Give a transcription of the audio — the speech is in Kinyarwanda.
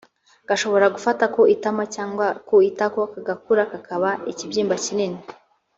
gashobora gufata ku itama cyangwa ku itako kagakura kakaba ikibyimba kinini